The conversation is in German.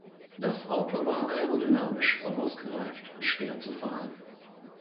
Das Auto war aerodynamisch unausgereift und schwer zu fahren.